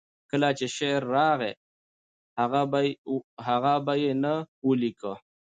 کله چې شعر راغی، هغه به یې نه ولیکه.